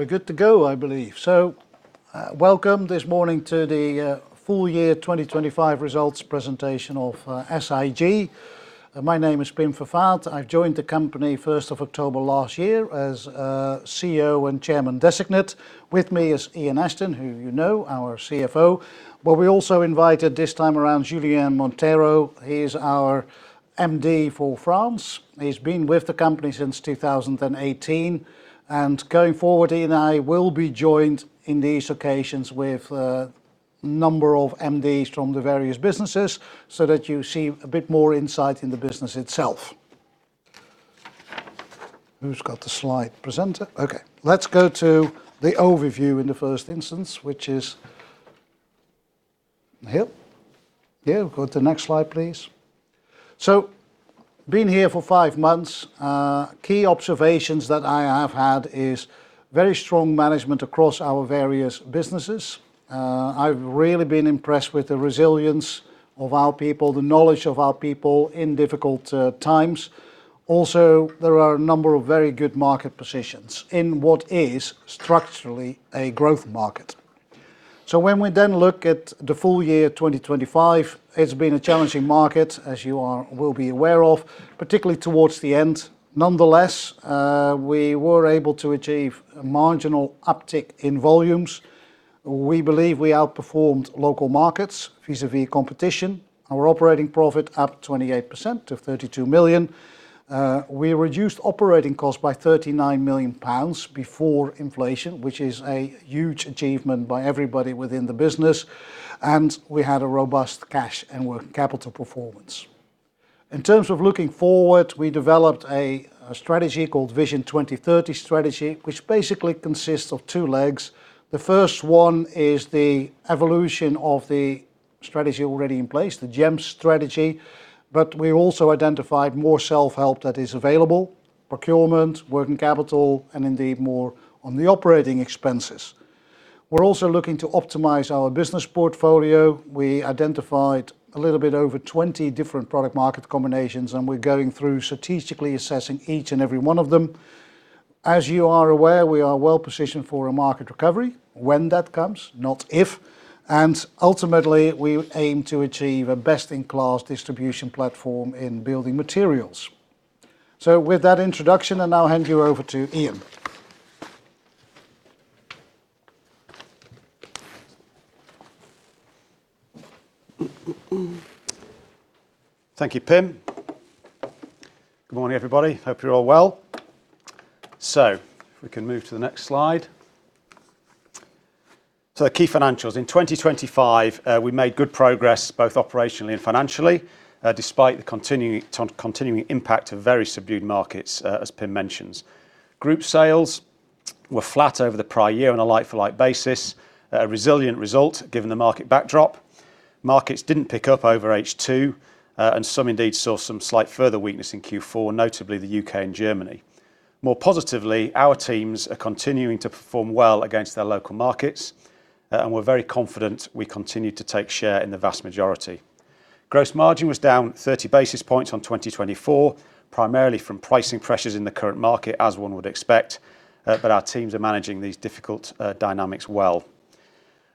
We're good to go, I believe. Welcome this morning to the full year 2025 results presentation of SIG. My name is Pim Vervaat. I joined the company first of October last year as CEO and Chairman Designate. With me is Ian Ashton, who you know, our CFO. We also invited this time around Julien Monteiro. He is our MD for France. He's been with the company since 2018. Going forward, he and I will be joined in these occasions with a number of MDs from the various businesses so that you see a bit more insight in the business itself. Who's got the slide presenter? Let's go to the overview in the first instance, which is here. Go to the next slide, please. Been here for five months. Key observations that I have had is very strong management across our various businesses. I've really been impressed with the resilience of our people, the knowledge of our people in difficult times. There are a number of very good market positions in what is structurally a growth market. When we look at the full year 2025, it's been a challenging market, as you will be aware of, particularly towards the end. We were able to achieve a marginal uptick in volumes. We believe we outperformed local markets vis-à-vis competition. Our operating profit up 28% to 32 million. We reduced operating costs by 39 million pounds before inflation, which is a huge achievement by everybody within the business, and we had a robust cash and working capital performance. In terms of looking forward, we developed a strategy called Vision 2030 strategy, which basically consists of two legs. The first one is the evolution of the strategy already in place, the GEM strategy, but we also identified more self-help that is available, procurement, working capital, and indeed more on the operating expenses. We're also looking to optimize our business portfolio. We identified a little bit over 20 different product market combinations, and we're going through strategically assessing each and every one of them. As you are aware, we are well positioned for a market recovery when that comes, not if, and ultimately, we aim to achieve a best-in-class distribution platform in building materials. With that introduction, I now hand you over to Ian. Thank you, Pim. Good morning, everybody. Hope you're all well. If we can move to the next slide. The key financials. In 2025, we made good progress both operationally and financially, despite the continuing impact of very subdued markets, as Pim mentions. Group sales were flat over the prior year on a like-for-like basis. A resilient result given the market backdrop. Markets didn't pick up over H2, and some indeed saw some slight further weakness in Q4, notably the U.K. and Germany. More positively, our teams are continuing to perform well against their local markets, and we're very confident we continue to take share in the vast majority. Gross margin was down 30 basis points on 2024, primarily from pricing pressures in the current market, as one would expect, but our teams are managing these difficult dynamics well.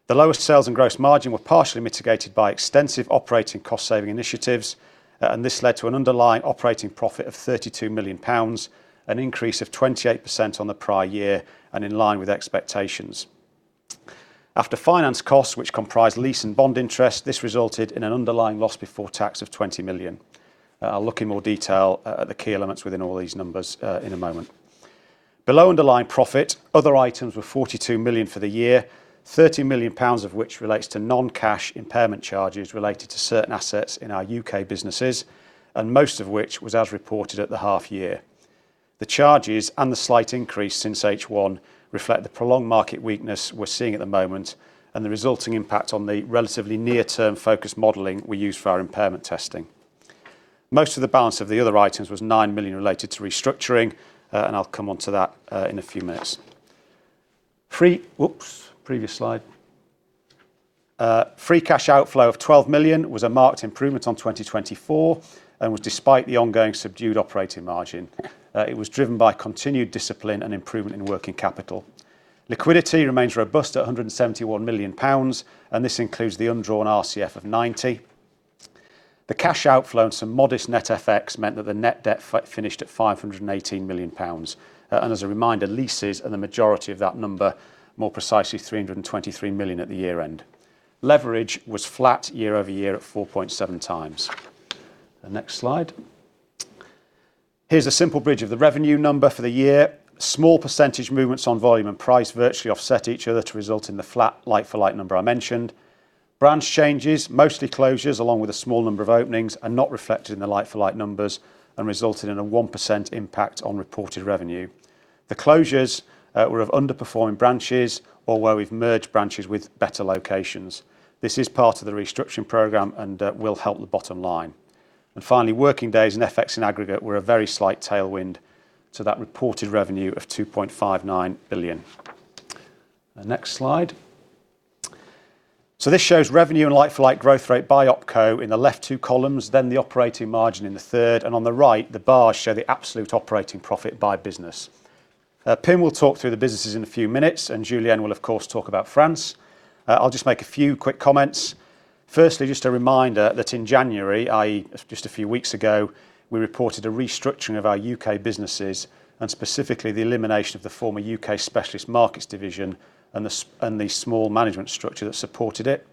The lowest sales and gross margin were partially mitigated by extensive operating cost-saving initiatives, and this led to an underlying operating profit of 32 million pounds, an increase of 28% on the prior year and in line with expectations. After finance costs, which comprise lease and bond interest, this resulted in an underlying loss before tax of 20 million. I'll look in more detail at the key elements within all these numbers, in a moment. Below underlying profit, other items were 42 million for the year, 30 million pounds of which relates to non-cash impairment charges related to certain assets in our U.K. businesses, and most of which was as reported at the half year. The charges and the slight increase since H1 reflect the prolonged market weakness we're seeing at the moment and the resulting impact on the relatively near-term focused modeling we use for our impairment testing. Most of the balance of the other items was 9 million related to restructuring, and I'll come onto that in a few minutes. Whoops, previous slide. Free cash outflow of 12 million was a marked improvement on 2024 and was despite the ongoing subdued operating margin. It was driven by continued discipline and improvement in working capital. Liquidity remains robust at GBP 171 million, and this includes the undrawn RCF of 90 million. The cash outflow and some modest net FX meant that the net debt finished at GBP 518 million. As a reminder, leases are the majority of that number, more precisely GBP 323 million at the year-end. Leverage was flat year-over-year at 4.7x. The next slide. Here's a simple bridge of the revenue number for the year. Small percentage movements on volume and price virtually offset each other to result in the flat like-for-like number I mentioned. Branch changes, mostly closures along with a small number of openings, are not reflected in the like-for-like numbers and resulted in a 1% impact on reported revenue. The closures were of underperforming branches or where we've merged branches with better locations. This is part of the restructuring program and will help the bottom line. Finally, working days and FX in aggregate were a very slight tailwind to that reported revenue of 2.59 billion. The next slide. This shows revenue and like-for-like growth rate by opco in the left two columns, then the operating margin in the third, and on the right, the bars show the absolute operating profit by business. Pim will talk through the businesses in a few minutes, and Julien will, of course, talk about France. I'll just make a few quick comments. Firstly, just a reminder that in January, i.e., just a few weeks ago, we reported a restructuring of our U.K. businesses and specifically the elimination of the former UK Specialist Markets division and the small management structure that supported it.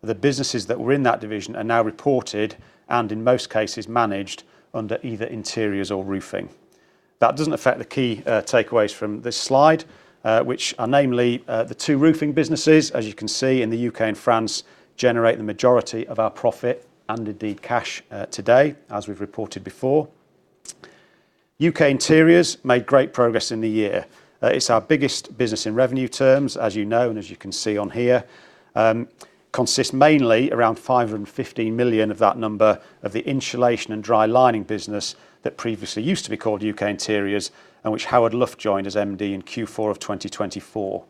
The businesses that were in that division are now reported and in most cases managed under either Interiors or Roofing. That doesn't affect the key takeaways from this slide, which are namely, the two roofing businesses, as you can see in the U.K. and France, generate the majority of our profit and indeed cash today, as we've reported before. UK Interiors made great progress in the year. It's our biggest business in revenue terms, as you know and as you can see on here. Consists mainly around 550 million of that number of the insulation and dry lining business that previously used to be called UK Interiors, and which Howard Luft joined as MD in Q4 of 2024.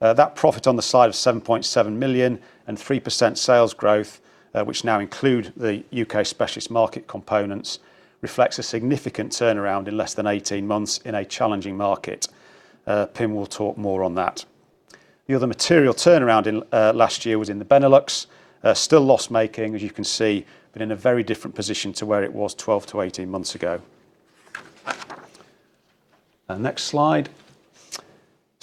That profit on the side of 7.7 million and 3% sales growth, which now include the UK Specialist Markets components, reflects a significant turnaround in less than 18 months in a challenging market. Pim will talk more on that. The other material turnaround in last year was in the Benelux. Still loss-making, as you can see, but in a very different position to where it was 12 to 18 months ago. Next slide.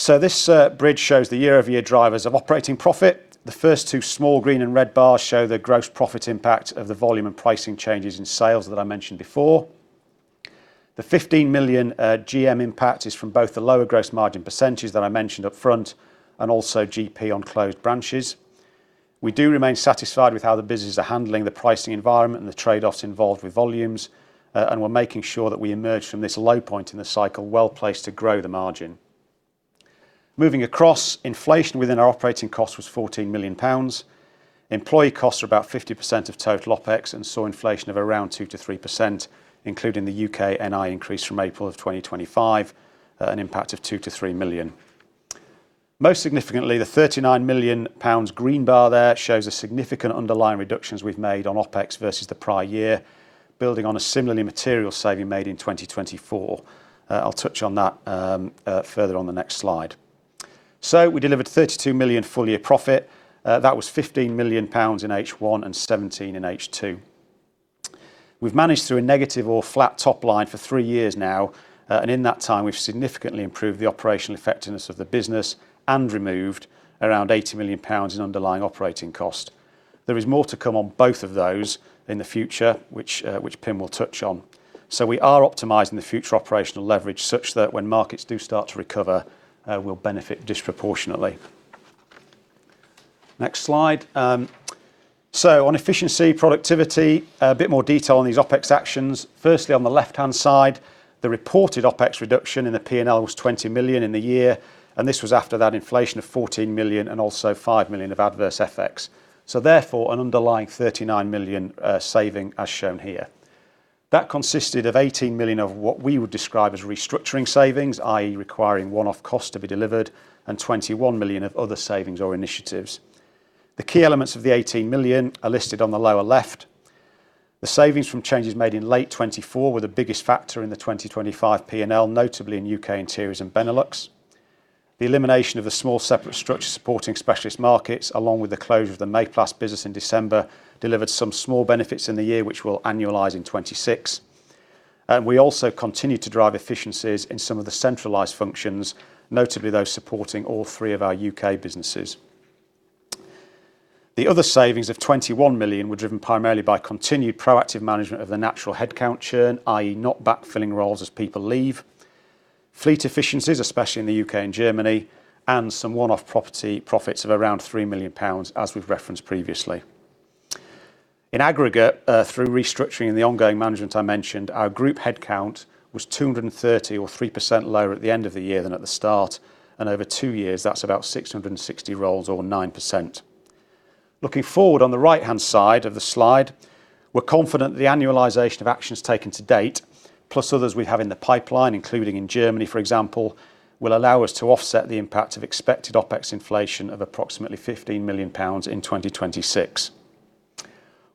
This bridge shows the year-over-year drivers of operating profit. The first two small green and red bars show the gross profit impact of the volume and pricing changes in sales that I mentioned before. The 15 million GM impact is from both the lower gross margin percentages that I mentioned up front and also GP on closed branches. We do remain satisfied with how the businesses are handling the pricing environment and the trade-offs involved with volumes, and we're making sure that we emerge from this low point in the cycle well-placed to grow the margin. Moving across, inflation within our operating cost was 14 million pounds. Employee costs are about 50% of total OpEx and saw inflation of around 2%-3%, including the U.K. NI increase from April 2025, an impact of 2 million-3 million. Most significantly, the 39 million pounds green bar there shows a significant underlying reductions we've made on OpEx versus the prior year, building on a similarly material saving made in 2024. I'll touch on that further on the next slide. We delivered 32 million full-year profit. That was 15 million pounds in H1 and 17 million in H2. We've managed through a negative or flat top line for three years now, and in that time, we've significantly improved the operational effectiveness of the business and removed around 80 million pounds in underlying operating cost. There is more to come on both of those in the future, which Pim will touch on. We are optimizing the future operational leverage such that when markets do start to recover, we'll benefit disproportionately. Next slide. On efficiency, productivity, a bit more detail on these OpEx actions. Firstly, on the left-hand side, the reported OpEx reduction in the P&L was 20 million in the year. This was after that inflation of 14 million and also 5 million of adverse FX. Therefore, an underlying 39 million saving, as shown here. That consisted of 18 million of what we would describe as restructuring savings, i.e., requiring one-off cost to be delivered, and 21 million of other savings or initiatives. The key elements of the 18 million are listed on the lower left. The savings from changes made in late 2024 were the biggest factor in the 2025 P&L, notably in UK Interiors and Benelux. The elimination of the small separate structure supporting Specialist Markets, along with the closure of the Mayplas business in December, delivered some small benefits in the year, which will annualize in 2026. We also continued to drive efficiencies in some of the centralized functions, notably those supporting all three of our U.K. businesses. The other savings of 21 million were driven primarily by continued proactive management of the natural headcount churn, i.e., not backfilling roles as people leave; fleet efficiencies, especially in the U.K. and Germany; and some one-off property profits of around 3 million pounds, as we've referenced previously. In aggregate, through restructuring and the ongoing management I mentioned, our group headcount was 230 or 3% lower at the end of the year than at the start, and over two years, that's about 660 roles or 9%. Looking forward on the right-hand side of the slide, we're confident the annualization of actions taken to date, plus others we have in the pipeline, including in Germany, for example, will allow us to offset the impact of expected OpEx inflation of approximately 15 million pounds in 2026.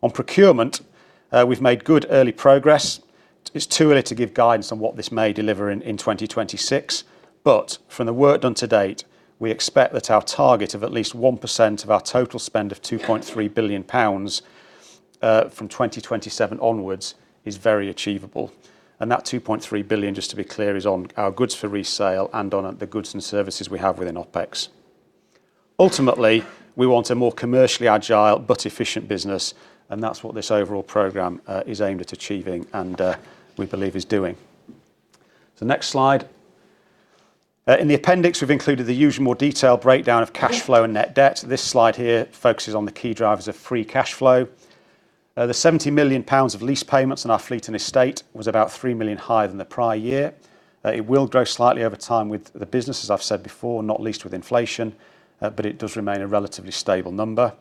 On procurement, we've made good early progress. It's too early to give guidance on what this may deliver in 2026. From the work done to date, we expect that our target of at least 1% of our total spend of 2.3 billion pounds from 2027 onwards is very achievable. That 2.3 billion, just to be clear, is on our goods for resale and on the goods and services we have within OpEx. Ultimately, we want a more commercially agile but efficient business, and that's what this overall program is aimed at achieving and we believe is doing. Next slide. In the appendix, we've included the usual more detailed breakdown of cash flow and net debt. This slide here focuses on the key drivers of free cash flow. The 70 million pounds of lease payments in our fleet and estate was about 3 million higher than the prior year. It will grow slightly over time with the business, as I've said before, not least with inflation, but it does remain a relatively stable number.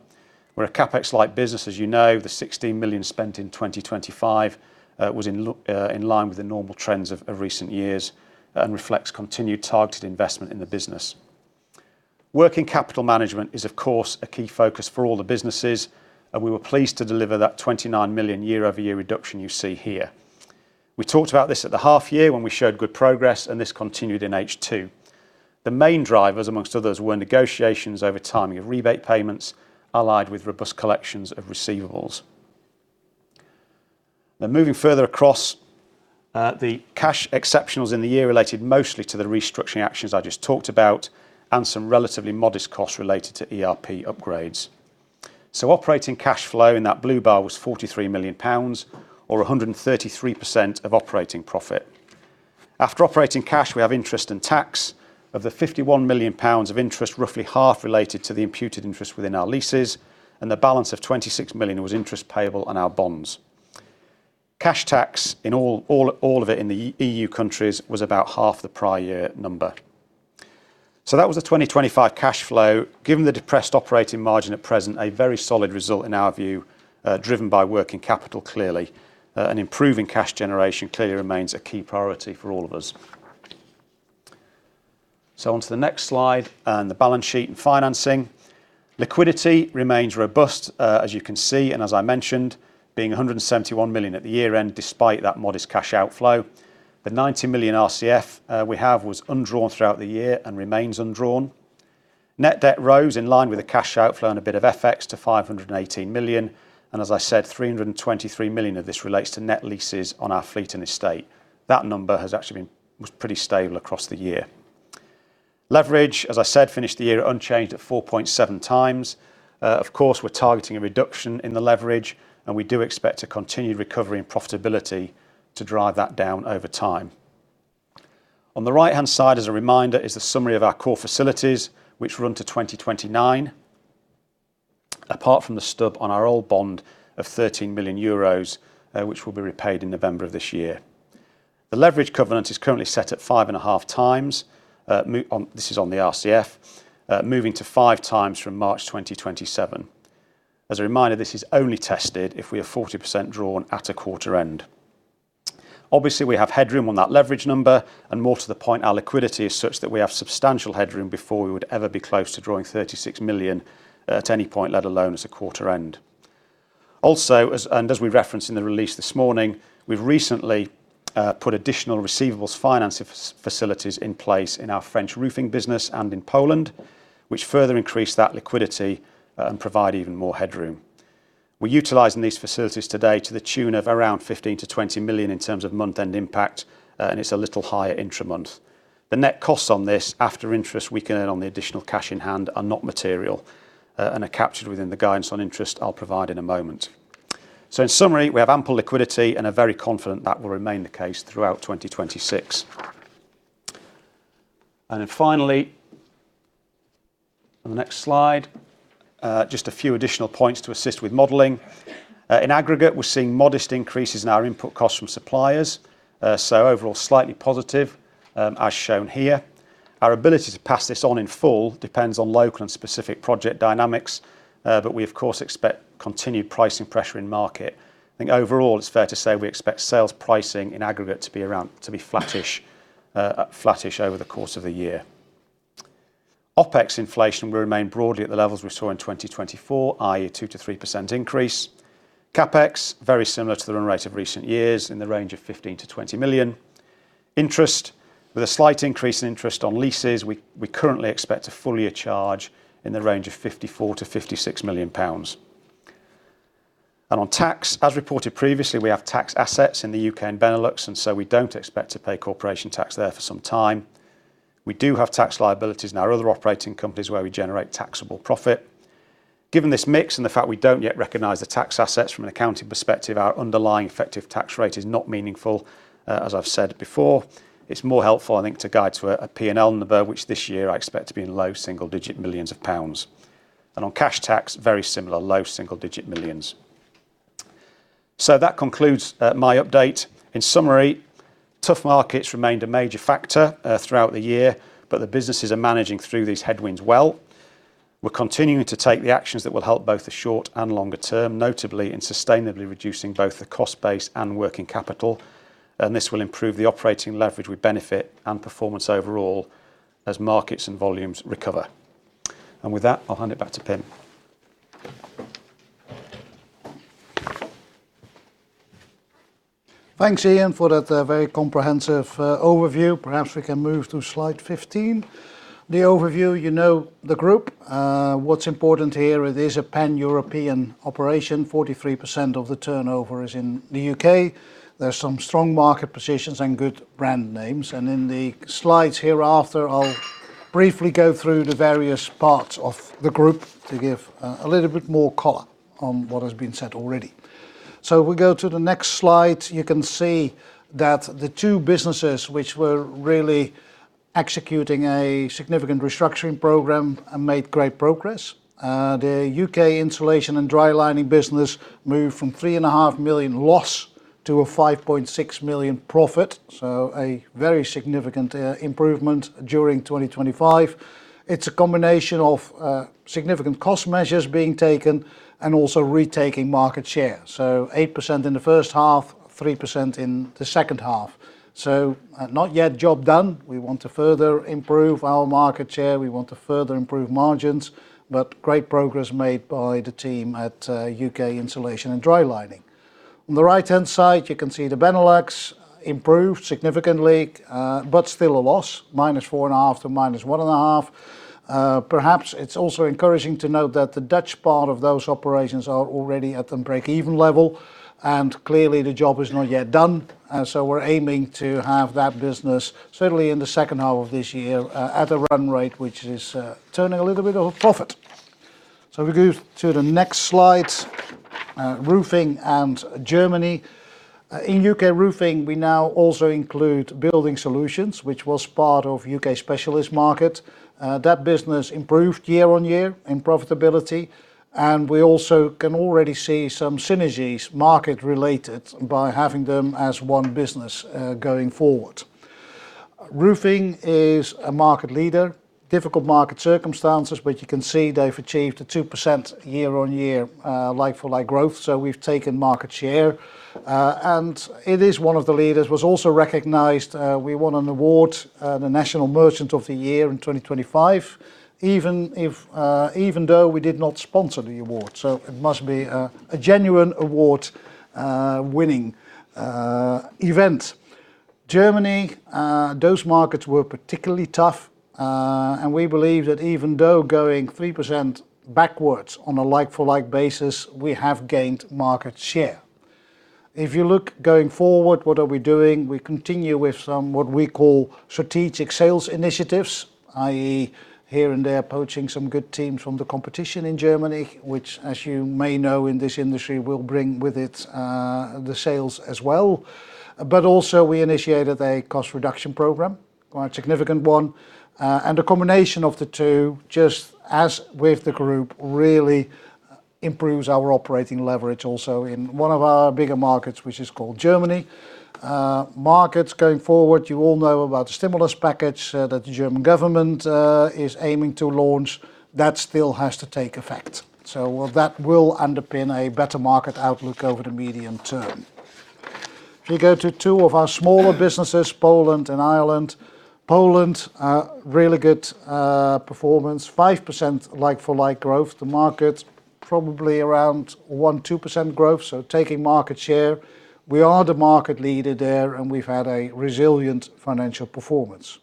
We're a CapEx-like business, as you know. The 16 million spent in 2025 was in line with the normal trends of recent years, and reflects continued targeted investment in the business. Working capital management is, of course, a key focus for all the businesses, and we were pleased to deliver that 29 million year-over-year reduction you see here. We talked about this at the half year when we showed good progress, and this continued in H2. The main drivers, amongst others, were negotiations over timing of rebate payments allied with robust collections of receivables. Moving further across, the cash exceptionals in the year related mostly to the restructuring actions I just talked about and some relatively modest costs related to ERP upgrades. Operating cash flow in that blue bar was 43 million pounds or 133% of operating profit. After operating cash, we have interest and tax. Of the 51 million pounds of interest, roughly half related to the imputed interest within our leases, and the balance of 26 million was interest payable on our bonds. Cash tax in all of it in the EU countries was about half the prior year number. That was the 2025 cash flow. Given the depressed operating margin at present, a very solid result in our view, driven by working capital clearly, and improving cash generation clearly remains a key priority for all of us. Onto the next slide and the balance sheet and financing. Liquidity remains robust, as you can see, and as I mentioned, being 171 million at the year-end despite that modest cash outflow. The 90 million RCF we have was undrawn throughout the year and remains undrawn. Net debt rose in line with a cash outflow and a bit of FX to 518 million. As I said, 323 million of this relates to net leases on our fleet and estate. That number has actually been pretty stable across the year. Leverage, as I said, finished the year unchanged at 4.7x. Of course, we're targeting a reduction in the leverage. We do expect a continued recovery in profitability to drive that down over time. On the right-hand side, as a reminder, is the summary of our core facilities, which run to 2029, apart from the stub on our old bond of 13 million euros, which will be repaid in November of this year. The leverage covenant is currently set at 5.5x on, this is on the RCF, moving to 5x from March 2027. As a reminder, this is only tested if we are 40% drawn at a quarter end. Obviously, we have headroom on that leverage number, and more to the point, our liquidity is such that we have substantial headroom before we would ever be close to drawing 36 million at any point, let alone as a quarter end. As we referenced in the release this morning, we've recently put additional receivables financing facilities in place in our French roofing business and in Poland, which further increase that liquidity and provide even more headroom. We're utilizing these facilities today to the tune of around 15 million-20 million in terms of month-end impact, and it's a little higher intra-month. The net costs on this after interest we can earn on the additional cash in hand are not material and are captured within the guidance on interest I'll provide in a moment. In summary, we have ample liquidity and are very confident that will remain the case throughout 2026. Finally, on the next slide, just a few additional points to assist with modeling. In aggregate, we're seeing modest increases in our input costs from suppliers, so overall slightly positive, as shown here. Our ability to pass this on in full depends on local and specific project dynamics, but we of course expect continued pricing pressure in market. I think overall, it's fair to say we expect sales pricing in aggregate to be flattish over the course of the year. OpEx inflation will remain broadly at the levels we saw in 2024, i.e., 2%-3% increase. CapEx, very similar to the run rate of recent years in the range of 15 million-20 million. Interest, with a slight increase in interest on leases, we currently expect a full year charge in the range of 54 million-56 million pounds. On tax, as reported previously, we have tax assets in the U.K. and Benelux, so we don't expect to pay corporation tax there for some time. We do have tax liabilities in our other operating companies where we generate taxable profit. Given this mix and the fact we don't yet recognize the tax assets from an accounting perspective, our underlying effective tax rate is not meaningful, as I've said before. It's more helpful, I think, to guide to a P&L number, which this year I expect to be in low single digit millions of pounds. On cash tax, very similar, low single digit millions. That concludes my update. In summary, tough markets remained a major factor throughout the year, the businesses are managing through these headwinds well. We're continuing to take the actions that will help both the short and longer term, notably in sustainably reducing both the cost base and working capital. This will improve the operating leverage we benefit and performance overall as markets and volumes recover. With that, I'll hand it back to Pim. Thanks, Ian, for that very comprehensive overview. Perhaps we can move to slide 15. The overview, you know the group. What's important here, it is a Pan-European operation. 43% of the turnover is in the U.K. There are some strong market positions and good brand names. In the slides hereafter, I'll briefly go through the various parts of the group to give a little bit more color on what has been said already. We go to the next slide. You can see that the two businesses which were really executing a significant restructuring program and made great progress, the UK Insulation and Drylining business moved from three and a half million loss to a 5.6 million profit, so a very significant improvement during 2025. It's a combination of significant cost measures being taken and also retaking market share. 8% in the first half, 3% in the second half. Not yet job done. We want to further improve our market share. We want to further improve margins. Great progress made by the team at UK Insulation and Drylining. On the right-hand side, you can see the Benelux improved significantly, but still a loss, -4.5 to -1.5. Perhaps it's also encouraging to note that the Dutch part of those operations are already at the breakeven level, and clearly the job is not yet done. We're aiming to have that business certainly in the second half of this year at a run rate which is turning a little bit of a profit. If we go to the next slide, Roofing and Germany. In UK Roofing, we now also include Building Solutions, which was part of UK Specialist Markets. That business improved year-on-year in profitability, and we also can already see some synergies, market-related, by having them as one business, going forward. Roofing is a market leader. Difficult market circumstances, but you can see they've achieved a 2% year-on-year like-for-like growth, so we've taken market share. It is one of the leaders was also recognized, we won an award, the National Merchant of the Year in 2025, even if, even though we did not sponsor the award. It must be a genuine award, winning event. Germany, those markets were particularly tough. We believe that even though going 3% backwards on a like-for-like basis, we have gained market share. If you look going forward, what are we doing? We continue with some what we call strategic sales initiatives, i.e, here and there poaching some good teams from the competition in Germany, which as you may know in this industry, will bring with it the sales as well. Also we initiated a cost reduction program, quite a significant one. A combination of the two, just as with the group, really improves our operating leverage also in one of our bigger markets, which is called Germany. Markets going forward, you all know about the stimulus package that the German government is aiming to launch. That still has to take effect. That will underpin a better market outlook over the medium term. We go to 2 of our smaller businesses, Poland and Ireland. Poland, really good performance, 5% like-for-like growth. The market, probably around 1%-2% growth, taking market share. We are the market leader there. We've had a resilient financial performance.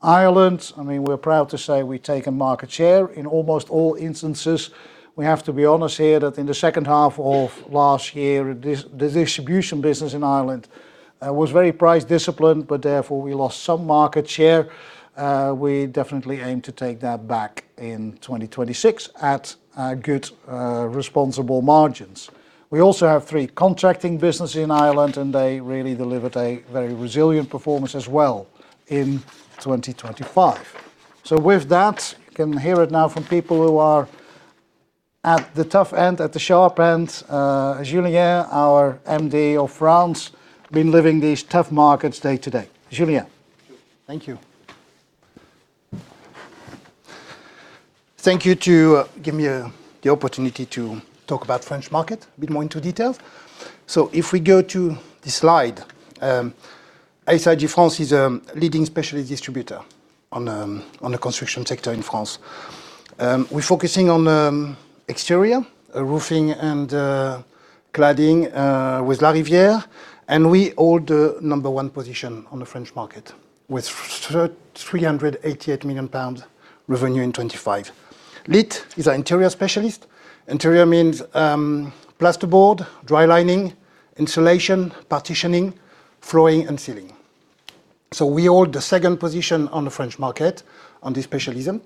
Ireland, I mean, we're proud to say we've taken market share in almost all instances. We have to be honest here that in the second half of last year, the distribution business in Ireland was very price-disciplined. Therefore, we lost some market share. We definitely aim to take that back in 2026 at good, responsible margins. We also have three contracting businesses in Ireland. They really delivered a very resilient performance as well in 2025. With that, you can hear it now from people who are at the tough end, at the sharp end. Julien, our MD of France, been living these tough markets day to day. Julien. Thank you. Thank you to give me the opportunity to talk about French market a bit more into detail. If we go to this slide, SIG France is a leading specialist distributor on the construction sector in France. We're focusing on exterior, roofing and cladding with LARIVIERE. We hold the number one position on the French market with 388 million pounds revenue in 2025. LiTT is our interior specialist. Interior means plasterboard, drylining, insulation, partitioning, flooring and ceiling. We hold the second position on the French market on this specialism,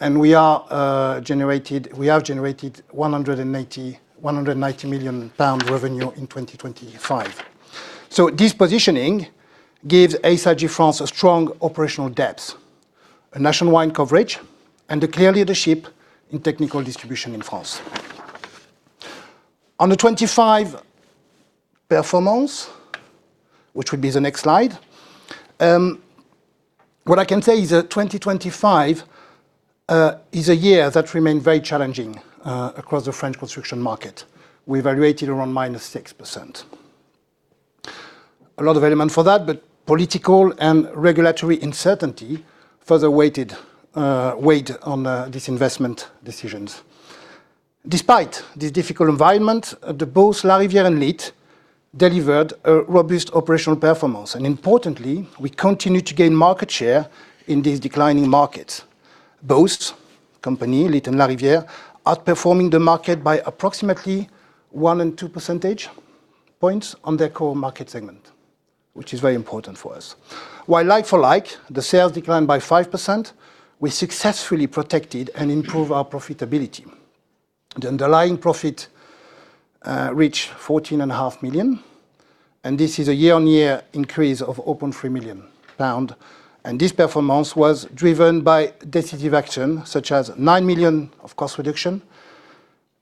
and we have generated 190 million pound revenue in 2025. This positioning gives SIG France a strong operational depth, a nationwide coverage, and a clear leadership in technical distribution in France. On the 25 performance, which would be the next slide, what I can say is that 2025 is a year that remained very challenging across the French construction market. We evaluated around -6%. A lot of element for that, political and regulatory uncertainty further weighed on these investment decisions. Despite this difficult environment, the both LARIVIERE and LiTT delivered a robust operational performance. Importantly, we continued to gain market share in these declining markets. Both company, LiTT and LARIVIERE, outperforming the market by approximately 1 and 2 percentage points on their core market segment, which is very important for us. While like-for-like, the sales declined by 5%, we successfully protected and improved our profitability. The underlying profit reached 14.5 million, and this is a year-on-year increase of 0.3 million pound. This performance was driven by decisive action, such as 9 million of cost reduction,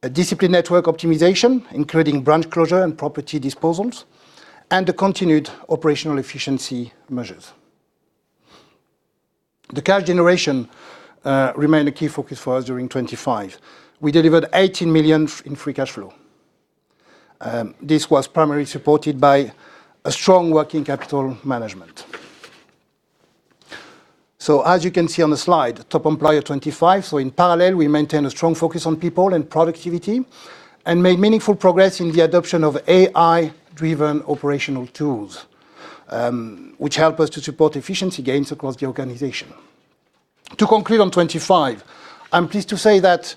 a disciplined network optimization, including branch closure and property disposals, and the continued operational efficiency measures. The cash generation remained a key focus for us during 2025. We delivered 18 million in free cash flow. This was primarily supported by a strong working capital management. As you can see on the slide, top employer 2025. In parallel, we maintain a strong focus on people and productivity and made meaningful progress in the adoption of AI-driven operational tools, which help us to support efficiency gains across the organization. To conclude on 2025, I'm pleased to say that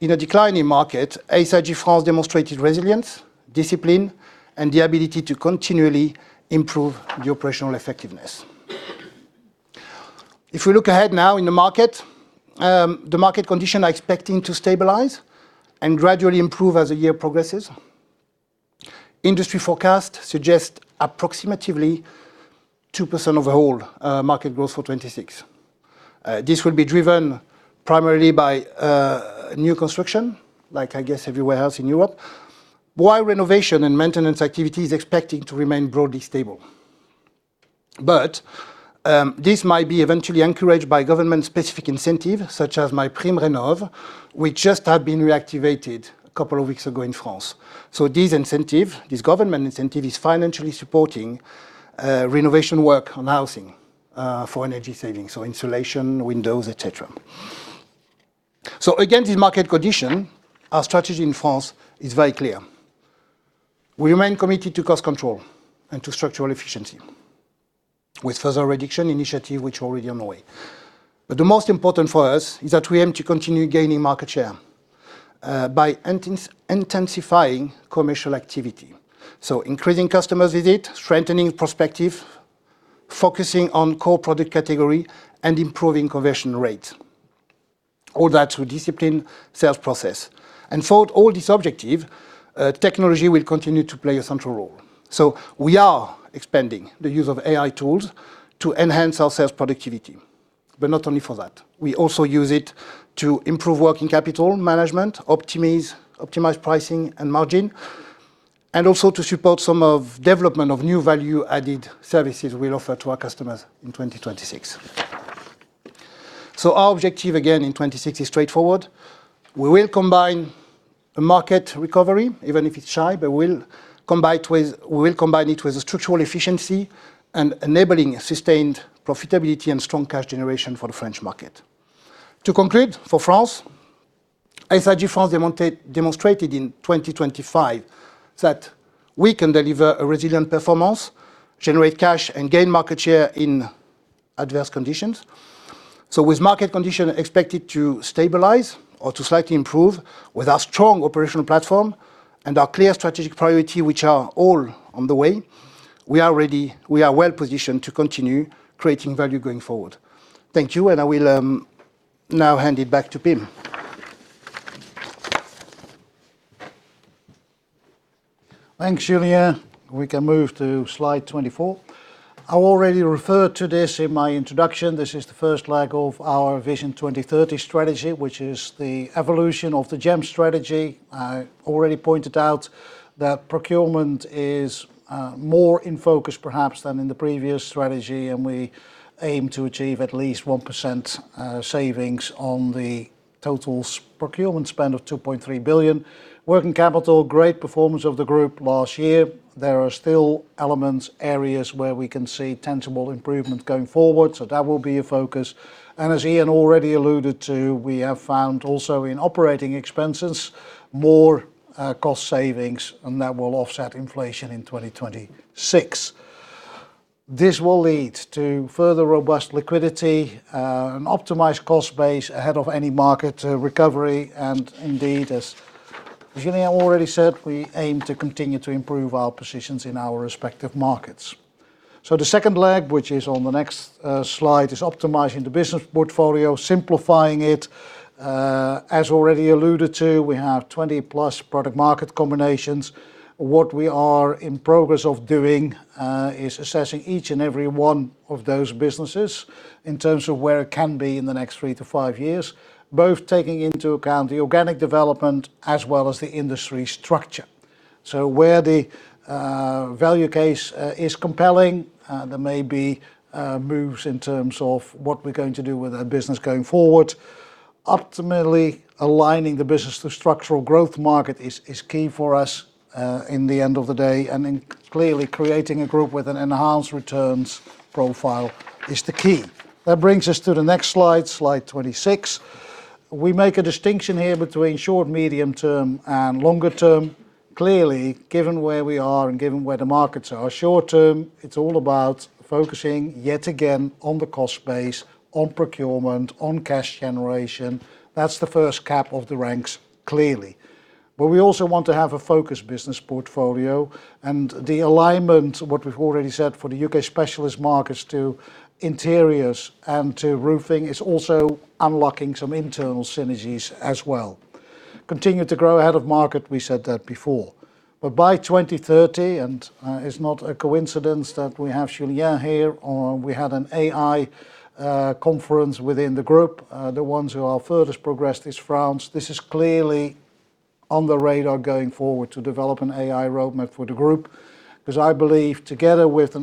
in a declining market, SIG France demonstrated resilience, discipline, and the ability to continually improve the operational effectiveness. If we look ahead now in the market, the market condition are expecting to stabilize and gradually improve as the year progresses. Industry forecast suggest approximately 2% overall market growth for 2026. This will be driven primarily by new construction, like I guess everywhere else in Europe, while renovation and maintenance activity is expecting to remain broadly stable. This might be eventually encouraged by government specific incentive, such as MaPrimeRénov', which just have been reactivated a couple of weeks ago in France. This incentive, this government incentive, is financially supporting renovation work on housing for energy savings, so insulation, windows, et cetera. Again, this market condition, our strategy in France is very clear. We remain committed to cost control and to structural efficiency with further reduction initiative, which already on the way. The most important for us is that we aim to continue gaining market share by intensifying commercial activity, so increasing customers visit, strengthening prospective, focusing on core product category, and improving conversion rate. All that through discipline sales process. For all this objective, technology will continue to play a central role. We are expanding the use of AI tools to enhance our sales productivity. Not only for that, we also use it to improve working capital management, optimize pricing and margin, and also to support some of development of new value-added services we'll offer to our customers in 2026. Our objective again in 2060 is straightforward. We will combine a market recovery, even if it's shy, we will combine it with a structural efficiency and enabling a sustained profitability and strong cash generation for the French market. To conclude, for France, SIG France demonstrated in 2025 that we can deliver a resilient performance, generate cash, and gain market share in adverse conditions. With market condition expected to stabilize or to slightly improve with our strong operational platform and our clear strategic priority, which are all on the way, we are ready. We are well-positioned to continue creating value going forward. Thank you, and I will now hand it back to Pim. Thanks, Julien. We can move to slide 24. I already referred to this in my introduction. This is the first leg of our Vision 2030 strategy, which is the evolution of the GEM strategy. I already pointed out that procurement is more in focus perhaps than in the previous strategy, and we aim to achieve at least 1% savings on the total procurement spend of 2.3 billion. Working capital, great performance of the group last year. There are still elements, areas where we can see tangible improvement going forward, so that will be a focus. As Ian already alluded to, we have found also in operating expenses more cost savings, and that will offset inflation in 2026. This will lead to further robust liquidity, an optimized cost base ahead of any market recovery. Indeed, as Julien already said, we aim to continue to improve our positions in our respective markets. The second leg, which is on the next slide, is optimizing the business portfolio, simplifying it. As already alluded to, we have 20+ product market combinations. What we are in progress of doing is assessing each and every one of those businesses in terms of where it can be in the next three to five years, both taking into account the organic development as well as the industry structure. Where the value case is compelling, there may be moves in terms of what we're going to do with our business going forward. Ultimately, aligning the business to structural growth market is key for us in the end of the day. Clearly creating a group with an enhanced returns profile is the key. That brings us to the next slide 26. We make a distinction here between short, medium term and longer term. Clearly, given where we are and given where the markets are, short term, it's all about focusing yet again on the cost base, on procurement, on cash generation. That's the first cap of the ranks, clearly. We also want to have a focused business portfolio, and the alignment, what we've already said for the UK Specialist Markets to UK Interiors and to SIG Roofing, is also unlocking some internal synergies as well. Continue to grow ahead of market, we said that before. By 2030, it's not a coincidence that we have Julien here, or we had an AI conference within the group, the ones who are furthest progressed is France. This is clearly on the radar going forward to develop an AI roadmap for the group, because I believe together with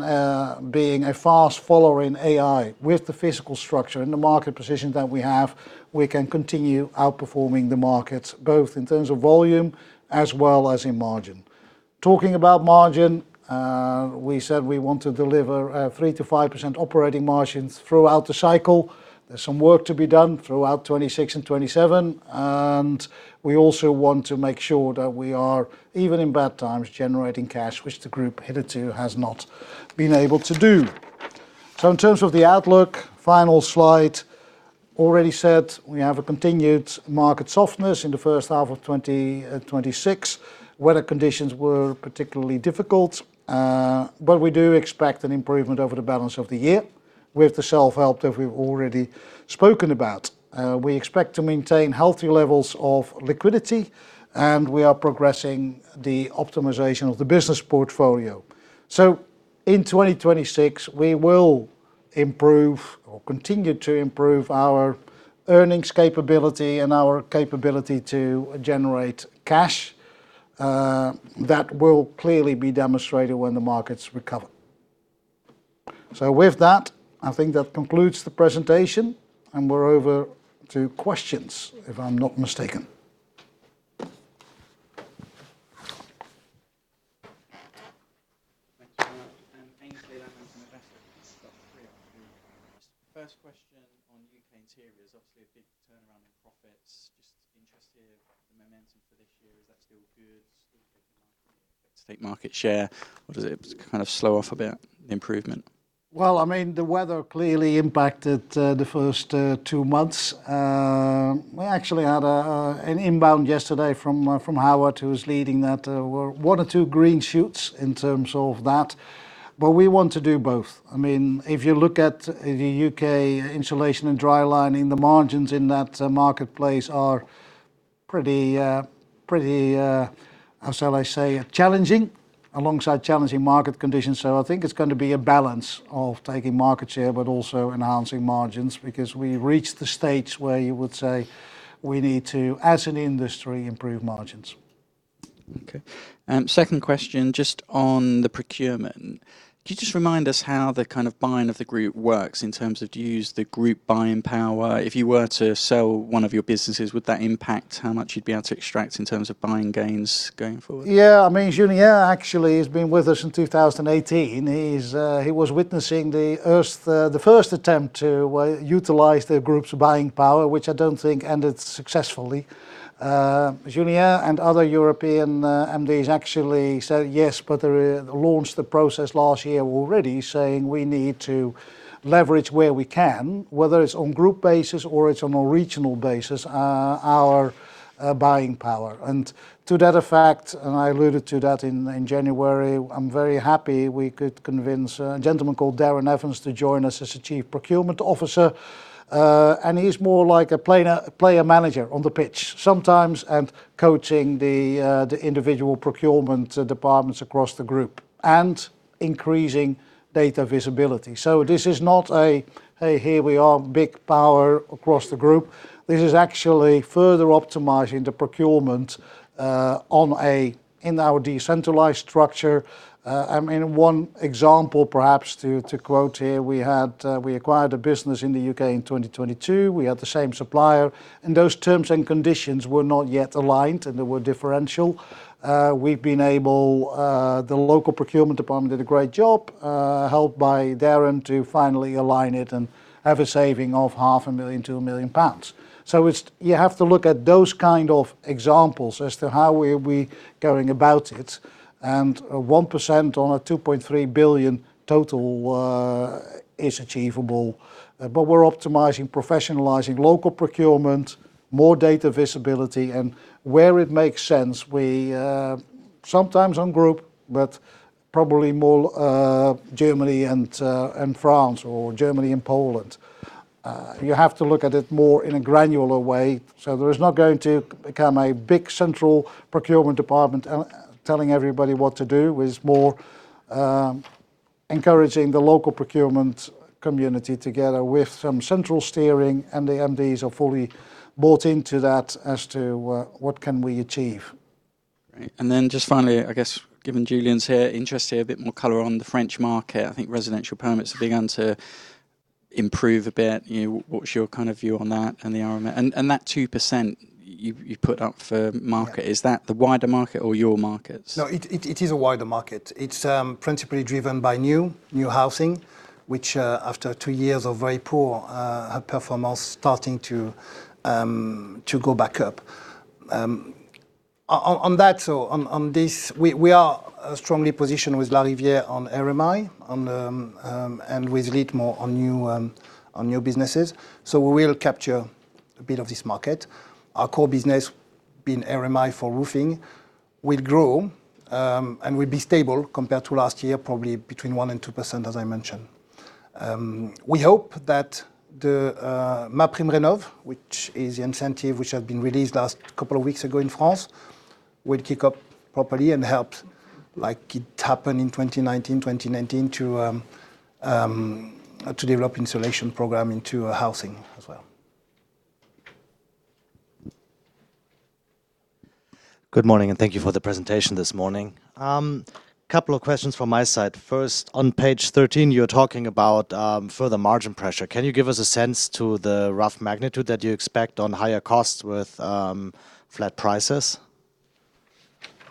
being a fast follower in AI with the physical structure and the market position that we have, we can continue outperforming the markets, both in terms of volume as well as in margin. Talking about margin, we said we want to deliver 3%-5% operating margins throughout the cycle. There's some work to be done throughout 2026 and 2027. We also want to make sure that we are, even in bad times, generating cash which the group hitherto has not been able to do. In terms of the outlook, final slide. Already said, we have a continued market softness in the first half of 2026. Weather conditions were particularly difficult, we do expect an improvement over the balance of the year with the self-help that we've already spoken about. We expect to maintain healthy levels of liquidity, we are progressing the optimization of the business portfolio. In 2026, we will improve or continue to improve our earnings capability and our capability to generate cash, that will clearly be demonstrated when the markets recover. With that, I think that concludes the presentation, and we're over to questions, if I'm not mistaken. Thank you very much. Aynsley Lammin from Investec. Just got three quick ones. First question on UK Interiors, obviously a big turnaround in profits. Just interested the momentum for this year. Is that still good to take market share, or does it kind of slow off a bit, the improvement? Well, I mean, the weather clearly impacted the first two months. We actually had an inbound yesterday from Howard, who's leading that. One or two green shoots in terms of that, but we want to do both. I mean, if you look at the UK Insulation and Drylining, the margins in that marketplace are pretty, how shall I say, challenging alongside challenging market conditions. I think it's going to be a balance of taking market share but also enhancing margins because we reached the stage where you would say we need to, as an industry, improve margins. Okay. Second question, just on the procurement. Could you just remind us how the kind of buying of the group works in terms of do you use the group buying power? If you were to sell one of your businesses, would that impact how much you'd be able to extract in terms of buying gains going forward? Yeah. I mean, Julien actually has been with us since 2018. He was witnessing the first attempt to utilize the group's buying power, which I don't think ended successfully. Julien and other European MDs actually said yes, but they launched the process last year already saying we need to leverage where we can, whether it's on group basis or it's on a regional basis, our buying power. To that effect, and I alluded to that in January, I'm very happy we could convince a gentleman called Darin Evans to join us as the Chief Procurement Officer. He's more like a player manager on the pitch sometimes and coaching the individual procurement departments across the group and increasing data visibility. This is not a, "Hey, here we are," big power across the group. This is actually further optimizing the procurement in our decentralized structure. I mean, one example perhaps to quote here, we had we acquired a business in the U.K. in 2022. We had the same supplier, and those terms and conditions were not yet aligned, and they were differential. We've been able, the local procurement department did a great job, helped by Darren to finally align it and have a saving of half a million GBP to 1 million pounds. It's you have to look at those kind of examples as to how we're going about it, and 1% on a 2.3 billion GBP total is achievable. We're optimizing, professionalizing local procurement, more data visibility. Where it makes sense, we sometimes on group, but probably more Germany and France or Germany and Poland, you have to look at it more in a granular way. There is not going to become a big central procurement department telling everybody what to do. It's more encouraging the local procurement community together with some central steering, and the MDs are fully bought into that as to what can we achieve. Great. Just finally, I guess, given Julien's here, interested a bit more color on the French market. I think residential permits have begun to improve a bit. You know, what's your kind of view on that and the RMI? That 2% you put up for market, is that the wider market or your markets? It is a wider market. It's principally driven by new housing, which after two years of very poor performance starting to go back up. On that, on this, we are strongly positioned with LARIVIERE on RMI, on the, and with LiTT on new businesses. We will capture a bit of this market. Our core business, being RMI for roofing, will grow and will be stable compared to last year, probably between 1% and 2%, as I mentioned. We hope that the MaPrimeRénov', which is the incentive which had been released last couple of weeks ago in France, will kick up properly and help like it happened in 2019 to develop insulation program into housing as well. Good morning. Thank you for the presentation this morning. Couple of questions from my side. First, on page 13, you're talking about further margin pressure. Can you give us a sense to the rough magnitude that you expect on higher costs with flat prices?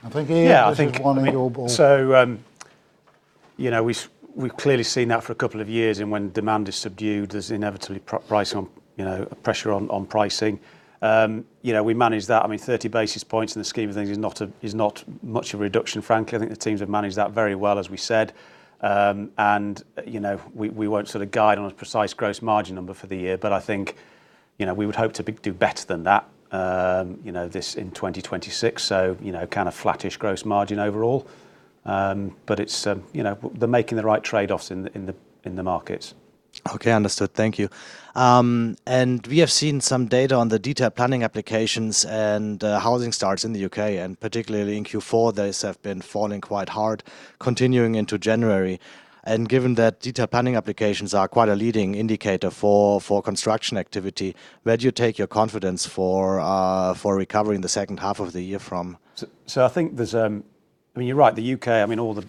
I think, Ian, this is one of your ball. Yeah, I think, I mean, you know, we've clearly seen that for a couple of years, and when demand is subdued, there's inevitably pricing on, you know, pressure on pricing. You know, we manage that. I mean, 30 basis points in the scheme of things is not much of a reduction, frankly. I think the teams have managed that very well, as we said. And, you know, we won't sort of guide on a precise gross margin number for the year. But I think, you know, we would hope to do better than that, you know, this in 2026. You know, kind of flattish gross margin overall. But it's, you know, they're making the right trade-offs in the markets. Okay. Understood. Thank you. We have seen some data on the detailed planning applications and housing starts in the U.K., and particularly in Q4, those have been falling quite hard continuing into January. Given that detailed planning applications are quite a leading indicator for construction activity, where do you take your confidence for recovery in the second half of the year from? I think there's, I mean, you're right, the U.K., I mean all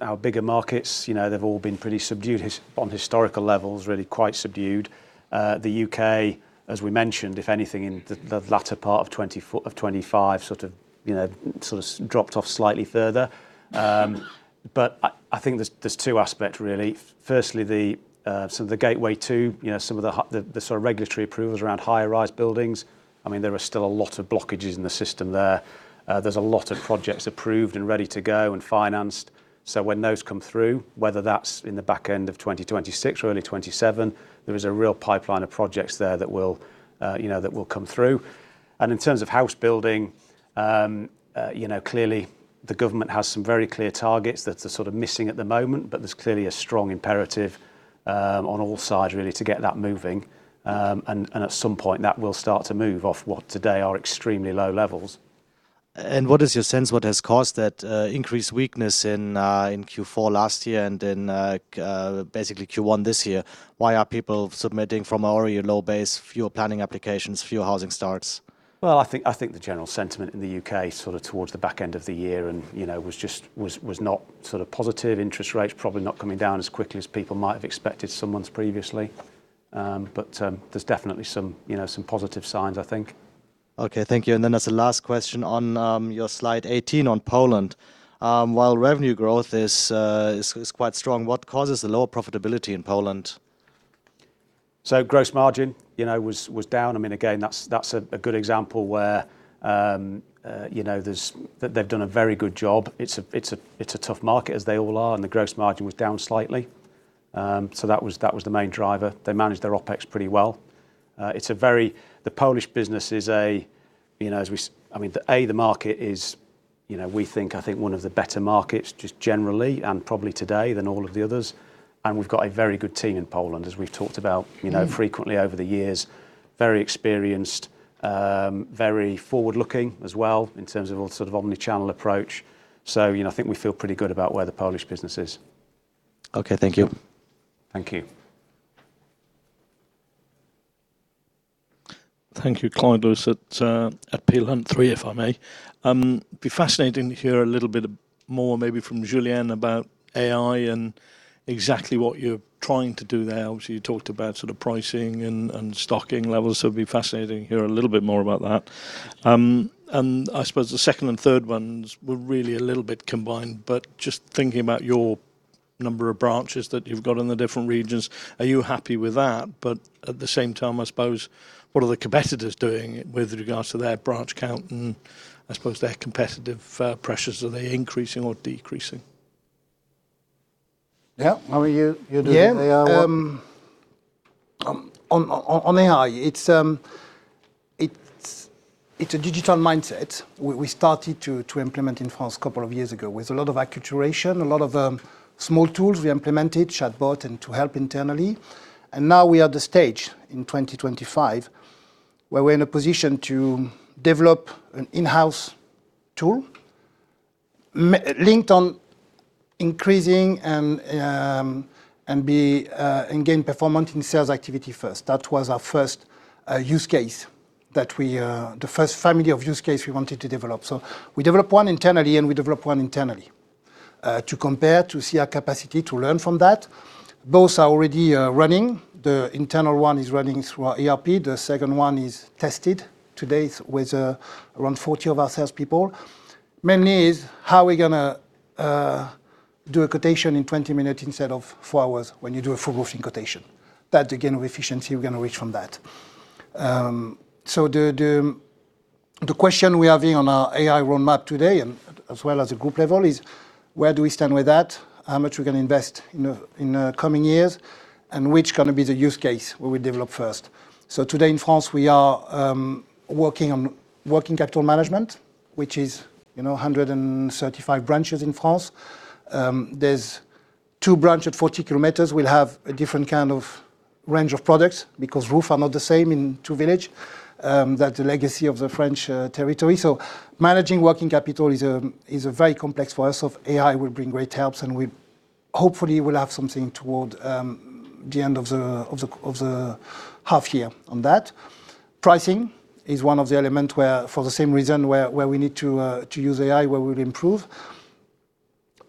our bigger markets, you know, they've all been pretty subdued on historical levels, really quite subdued. The U.K., as we mentioned, if anything in the latter part of 2025, sort of, you know, sort of dropped off slightly further. I think there's two aspects really. Firstly, the sort of the gateway to, you know, some of the sort of regulatory approvals around high-rise buildings. I mean, there are still a lot of blockages in the system there. There's a lot of projects approved and ready to go and financed. When those come through, whether that's in the back end of 2026 or early 2027, there is a real pipeline of projects there that will, you know, that will come through. In terms of house building, you know, clearly the government has some very clear targets that they're sort of missing at the moment, but there's clearly a strong imperative on all sides really to get that moving. At some point that will start to move off what today are extremely low levels. What is your sense what has caused that increased weakness in in Q4 last year and in basically Q1 this year? Why are people submitting from already a low base, fewer planning applications, fewer housing starts? Well, I think the general sentiment in the U.K. sort of towards the back end of the year and, you know, was not sort of positive. Interest rates probably not coming down as quickly as people might have expected some months previously. There's definitely some, you know, some positive signs, I think. Okay, thank you. As the last question on your slide 18 on Poland. While revenue growth is quite strong, what causes the lower profitability in Poland? Gross margin, you know, was down. I mean, again, that's a good example where, you know, there's. They've done a very good job. It's a tough market, as they all are, and the gross margin was down slightly. That was the main driver. They managed their OpEx pretty well. The Polish business is a, you know, as we I mean, the market is, you know, we think, I think one of the better markets just generally and probably today than all of the others, and we've got a very good team in Poland, as we've talked about— Mm-hmm —you know, frequently over the years. Very experienced, very forward-looking as well in terms of a sort of omnichannel approach. You know, I think we feel pretty good about where the Polish business is. Okay. Thank you. Thank you. Thank you. Clyde Lewis at Peel Hunt, three if I may. Be fascinating to hear a little bit more maybe from Julien about AI and exactly what you're trying to do there. Obviously, you talked about sort of pricing and stocking levels. It'd be fascinating to hear a little bit more about that. I suppose the second and third ones were really a little bit combined, but just thinking about your number of branches that you've got in the different regions, are you happy with that? At the same time, I suppose, what are the competitors doing with regards to their branch count and, I suppose, their competitive pressures? Are they increasing or decreasing? I mean, you do the AI one. On AI, it's a digital mindset we started to implement in France a couple of years ago with a lot of acculturation, a lot of small tools we implemented, chatbot and to help internally. Now we are at the stage in 2025 where we're in a position to develop an in-house tool linked on increasing and gain performance in sales activity first. That was our first use case that we the first family of use case we wanted to develop. We develop one internally to compare, to see our capacity to learn from that. Both are already running. The internal one is running through our ERP. The second one is tested today with around 40 of our salespeople. Mainly is how we're gonna do a quotation in 20-minutes instead of four hours when you do a full roofing quotation. That gain of efficiency we're gonna reach from that. The question we are having on our AI roadmap today and as well as the group level is: Where do we stand with that? How much we can invest in coming years and which going to be the use case where we develop first? Today in France, we are working on working capital management, which is, you know, 135 branches in France. There's two branch at 40 km will have a different kind of range of products because roof are not the same in two village, that the legacy of the French territory. Managing working capital is a very complex for us of AI will bring great helps, and we hopefully will have something toward the end of the half year on that. Pricing is one of the element where for the same reason where we need to use AI, where we'll improve.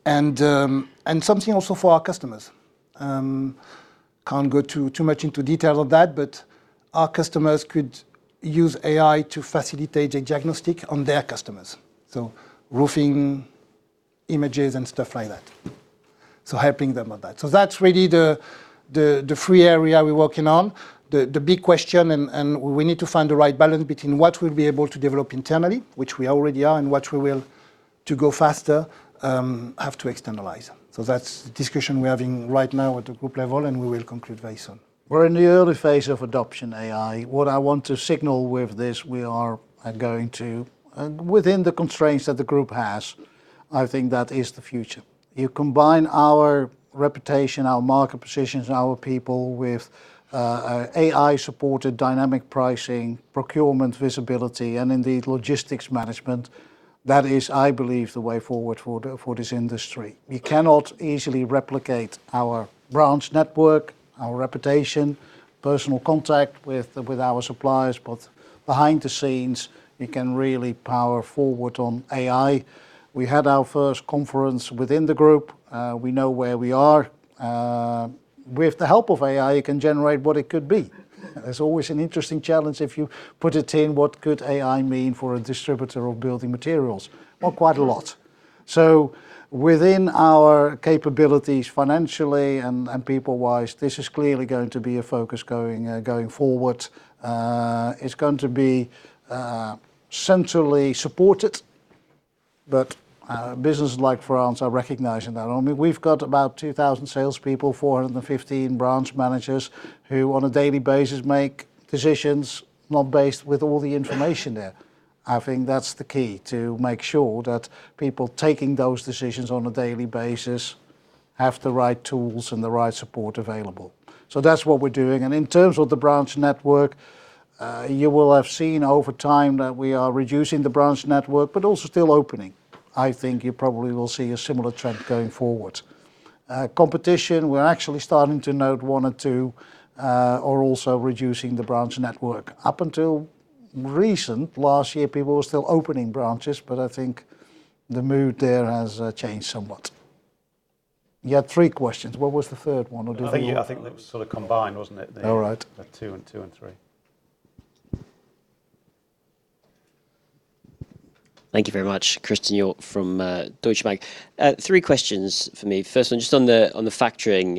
Something also for our customers. Can't go too much into detail of that, but our customers could use AI to facilitate a diagnostic on their customers. Roofing images and stuff like that. Helping them on that. That's really the three area we're working on. The big question and we need to find the right balance between what we'll be able to develop internally, which we already are, and what we will to go faster, have to externalize. That's discussion we're having right now at the group level, and we will conclude very soon. We're in the early phase of adoption AI. What I want to signal with this, we are going to within the constraints that the group has, I think that is the future. You combine our reputation, our market positions, our people with AI-supported dynamic pricing, procurement visibility, and indeed logistics management. That is, I believe, the way forward for this industry. We cannot easily replicate our branch network, our reputation, personal contact with our suppliers. Behind the scenes, we can really power forward on AI. We had our first conference within the group. We know where we are. With the help of AI, you can generate what it could be. There's always an interesting challenge if you put it in what could AI mean for a distributor of building materials. Quite a lot. Within our capabilities financially and people-wise, this is clearly going to be a focus going forward. It's going to be centrally supported, but businesses like France are recognizing that. I mean, we've got about 2,000 salespeople, 415 branch managers who on a daily basis make decisions not based with all the information there. I think that's the key to make sure that people taking those decisions on a daily basis have the right tools and the right support available. That's what we're doing. In terms of the branch network, you will have seen over time that we are reducing the branch network, but also still opening. I think you probably will see a similar trend going forward. Competition, we're actually starting to note one or two are also reducing the branch network. Up until recent last year, people were still opening branches, but I think the mood there has changed somewhat. You had three questions. What was the third one? I think it was sort of combined, wasn't it? All right. The two and three. Thank you very much. Christen Hjorth from Deutsche Bank. Three questions from me. First one, just on the factoring.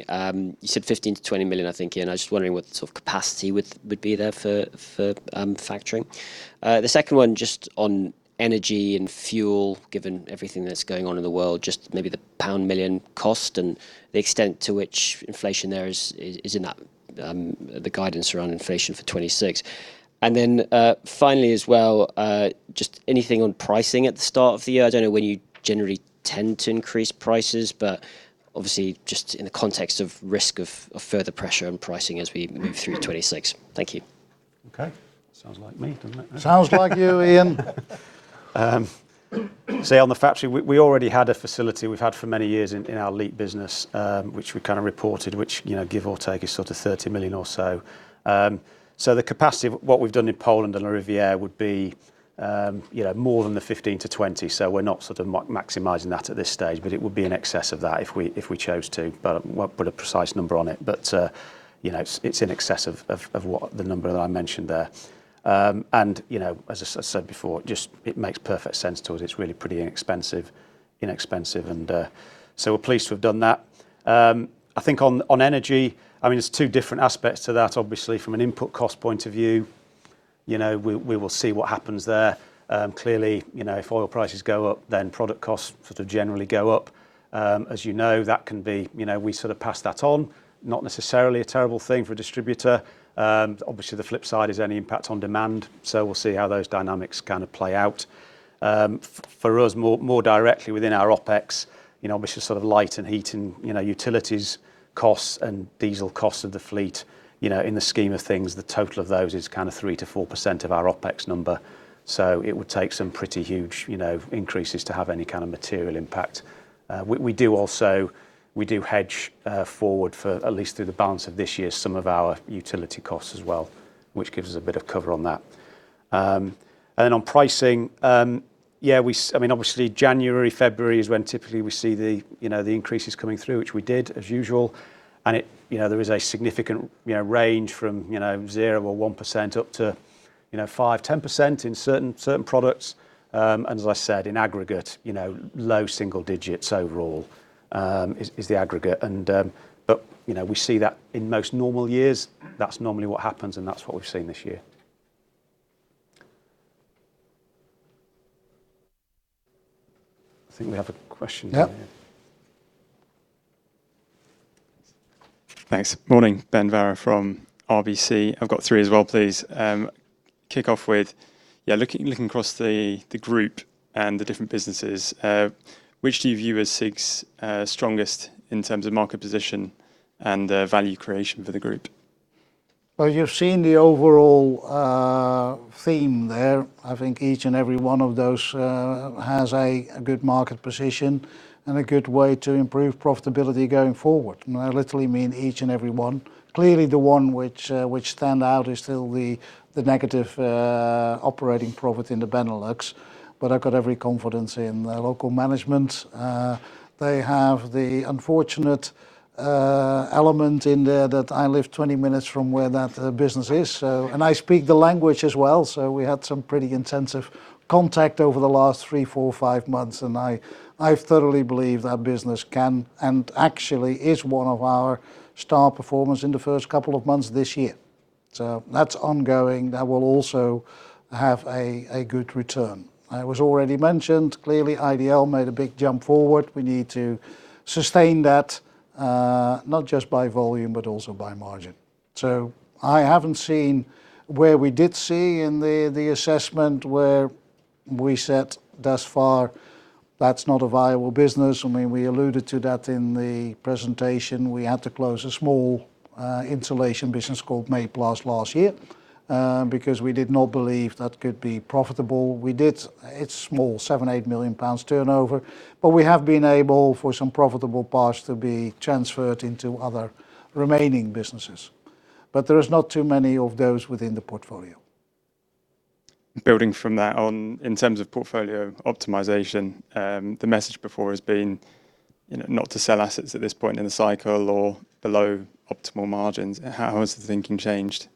You said 15 million-20 million, I think, Ian. I'm just wondering what sort of capacity would be there for factoring? The second one, just on energy and fuel, given everything that's going on in the world, just maybe the pound million cost and the extent to which inflation there is in that, the guidance around inflation for 2026. Finally as well, just anything on pricing at the start of the year. I don't know when you generally tend to increase prices, obviously just in the context of risk of further pressure on pricing as we move through 2026. Thank you. Okay. Sounds like me, doesn't it? Sounds like you, Ian. Say on the factory, we already had a facility we've had for many years in our elite business, which we kind of reported, which, you know, give or take, is sort of 30 million or so. The capacity, what we've done in Poland and LARIVIERE would be, you know, more than 15 million-20 million. We're not sort of maximizing that at this stage, but it would be in excess of that if we chose to. Won't put a precise number on it. You know, it's in excess of what the number that I mentioned there. You know, as I said before, just it makes perfect sense to us. It's really pretty inexpensive, and we're pleased to have done that. I think on energy, I mean, there's two different aspects to that. Obviously, from an input cost point of view, you know, we will see what happens there. Clearly, you know, if oil prices go up, product costs sort of generally go up. As you know, that can be, you know, we sort of pass that on, not necessarily a terrible thing for a distributor. Obviously, the flip side is any impact on demand. We'll see how those dynamics kind of play out. For us, more, more directly within our OpEx, you know, which is sort of light and heat and, you know, utilities costs and diesel costs of the fleet. You know, in the scheme of things, the total of those is kind of 3%-4% of our OpEx number. It would take some pretty huge, you know, increases to have any kind of material impact. We do also, we do hedge forward for at least through the balance of this year, some of our utility costs as well, which gives us a bit of cover on that. And then on pricing, yeah, I mean, obviously January, February is when typically we see the, you know, the increases coming through, which we did as usual. It, you know, there is a significant, you know, range from, you know, 0% or 1% up to, you know, 5%, 10% in certain products. And as I said, in aggregate, you know, low single digits overall, is the aggregate. You know, we see that in most normal years, that's normally what happens, and that's what we've seen this year. I think we have a question down here. Yep. Thanks. Morning. Ben Varrow from RBC. I've got three as well, please. Kick off with, yeah, looking across the group and the different businesses, which do you view as SIG's strongest in terms of market position and value creation for the group? Well, you've seen the overall theme there. I think each and every one of those has a good market position and a good way to improve profitability going forward. I literally mean each and every one. Clearly the one which stand out is still the negative operating profit in the Benelux, but I've got every confidence in the local management. They have the unfortunate element in there that I live 20-minutes from where that business is. I speak the language as well, we had some pretty intensive contact over the last three, four, five months, I thoroughly believe that business can and actually is one of our star performers in the first couple of months this year. That's ongoing. That will also have a good return. It was already mentioned, clearly IDL made a big jump forward. We need to sustain that, not just by volume, but also by margin. I haven't seen where we did see in the assessment where we said thus far that's not a viable business. I mean, we alluded to that in the presentation. We had to close a small insulation business called Mayplas last year because we did not believe that could be profitable. It's small, 7, 8 million pounds turnover. We have been able, for some profitable parts, to be transferred into other remaining businesses. There is not too many of those within the portfolio. Building from that on, in terms of portfolio optimization, the message before has been, you know, not to sell assets at this point in the cycle or below optimal margins. How has the thinking changed?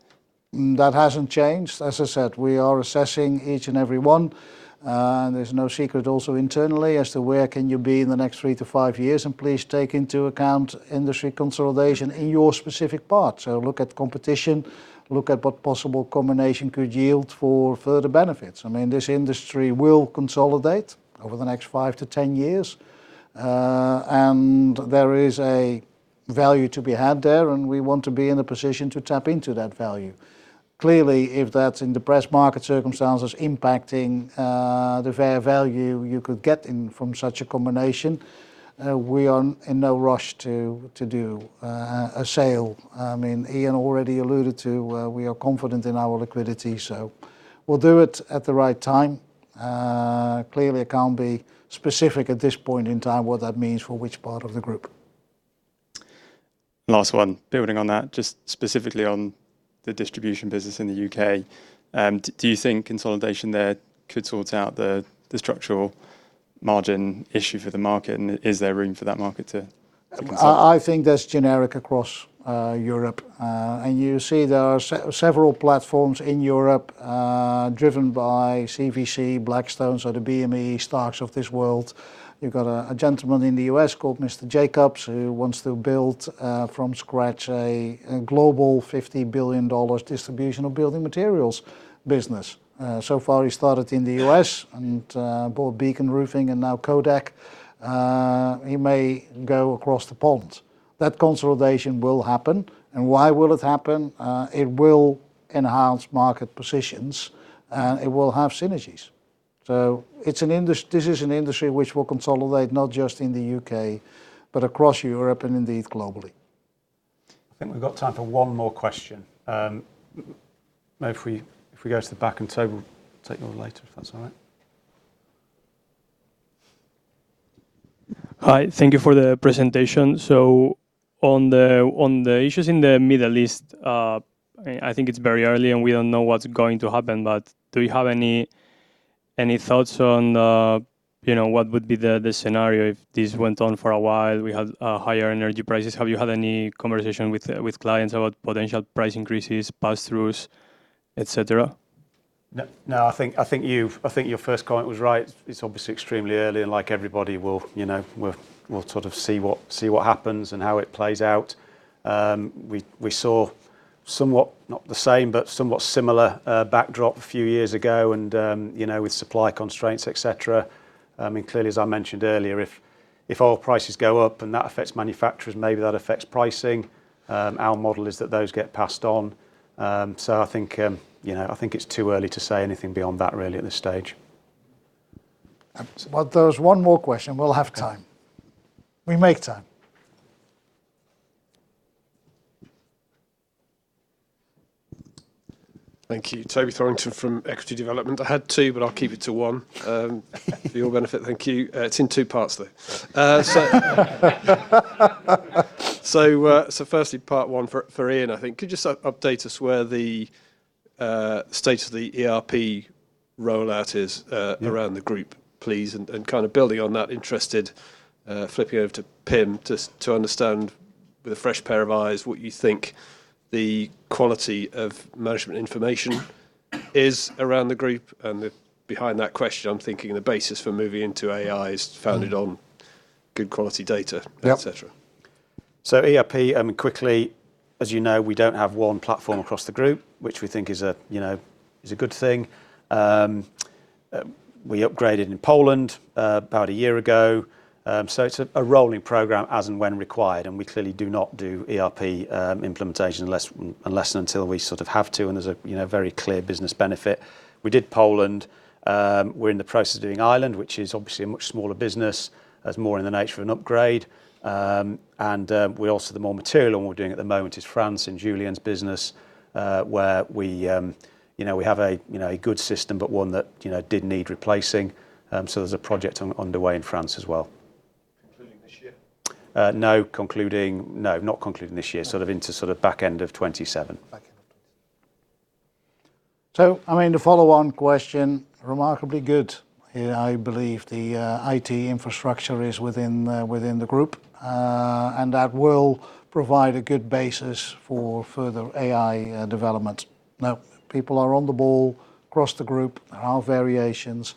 That hasn't changed. As I said, we are assessing each and every one. There's no secret also internally as to where can you be in the next three to five years, and please take into account industry consolidation in your specific part. Look at competition, look at what possible combination could yield for further benefits. I mean, this industry will consolidate over the next five to 10 years. There is a value to be had there, and we want to be in a position to tap into that value. Clearly, if that's in the press market circumstances impacting the fair value you could get in from such a combination, we are in no rush to do a sale. I mean, Ian already alluded to, we are confident in our liquidity, so we'll do it at the right time. Clearly I can't be specific at this point in time what that means for which part of the group. Last one. Building on that, just specifically on the distribution business in the U.K., do you think consolidation there could sort out the structural margin issue for the market? Is there room for that market to consolidate? I think that's generic across Europe. You see there are several platforms in Europe, driven by CVC, Blackstone, so the BME stocks of this world. You've got a gentleman in the U.S. called Mr. Jacobs who wants to build from scratch a global $50 billion distribution of building materials business. So far he started in the U.S. and bought Beacon Roofing and now Kodak. He may go across the pond. That consolidation will happen. Why will it happen? It will enhance market positions, and it will have synergies. This is an industry which will consolidate not just in the U.K., but across Europe and indeed globally. I think we've got time for one more question. Maybe if we go to the back, we'll take more later, if that's all right. Hi. Thank you for the presentation. On the issues in the Middle East, I think it's very early and we don't know what's going to happen, but do you have any thoughts on, you know, what would be the scenario if this went on for a while? We had higher energy prices. Have you had any conversation with clients about potential price increases, passthroughs, et cetera? No, no. I think, I think your first comment was right. It's obviously extremely early and, like everybody, we'll, you know, we'll sort of see what happens and how it plays out. We saw somewhat, not the same, but somewhat similar backdrop a few years ago and, you know, with supply constraints, et cetera. I mean, clearly, as I mentioned earlier, if oil prices go up and that affects manufacturers, maybe that affects pricing. Our model is that those get passed on. I think, you know, I think it's too early to say anything beyond that really at this stage. Well, there was one more question. We'll have time. We make time. Thank you. Toby Thorrington from Equity Development. I had two, but I'll keep it to one for your benefit. Thank you. It's in two parts though. Firstly part one for Ian, I think. Could you update us where the state of the ERP rollout is around the group, please? Kind of building on that, interested, flipping over to Pim to understand with a fresh pair of eyes what you think the quality of management information is around the group and the. Behind that question, I'm thinking the basis for moving into AI is founded on good quality data— Yep. —et cetera. ERP, I mean, quickly, as you know, we don't have one platform across the group, which we think is, you know, is a good thing. We upgraded in Poland about a year ago. So it's a rolling program as and when required, and we clearly do not do ERP implementation unless until we sort of have to and there's a, you know, very clear business benefit. We did Poland. We're in the process of doing Ireland, which is obviously a much smaller business. That's more in the nature of an upgrade. And we also, the more material one we're doing at the moment is France in Julien's business, where we, you know, we have, you know, a good system, but one that, you know, did need replacing. There's a project underway in France as well. Concluding this year? No. No, not concluding this year. Sort of into back end of 2027. Back end, please. I mean, the follow-on question, remarkably good. I believe the IT infrastructure is within the group. That will provide a good basis for further AI development. People are on the ball across the group. There are variations,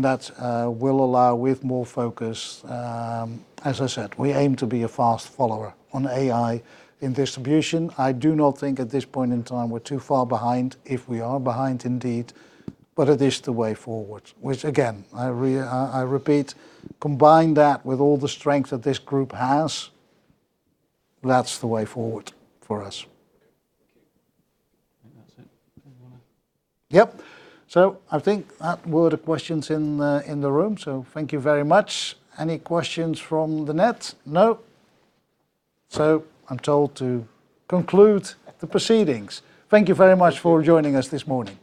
that will allow with more focus. As I said, we aim to be a fast follower on AI in distribution. I do not think at this point in time we're too far behind, if we are behind indeed, but it is the way forward, which again, I repeat, combine that with all the strength that this group has, that's the way forward for us. Okay. Thank you. I think that's it. Anyone else? Yep. I think that were the questions in the, in the room. Thank you very much. Any questions from the net? No. I'm told to conclude the proceedings. Thank you very much for joining us this morning. Thank you.